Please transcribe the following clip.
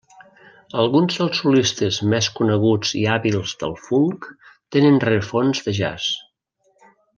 Alguns dels solistes més coneguts i hàbils del funk tenen rerefons de jazz.